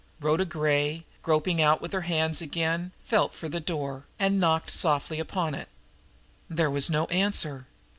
Rhoda Gray, groping out with her hands again, felt for the door, and knocked softly upon it. There was no answer.